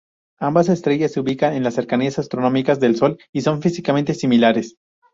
Ambas estrellas se ubican en las cercanías astronómicas del Sol y son físicamente similares.